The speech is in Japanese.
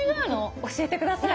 教えて下さい。